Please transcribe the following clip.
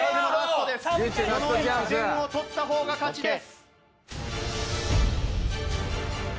この１点を取った方が勝ちです。